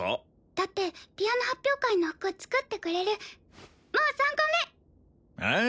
だってピアノ発表会の服作ってくれるもう３個目ああ